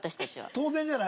当然じゃない？